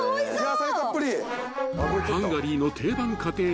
野菜たっぷり。